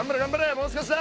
もう少しだ。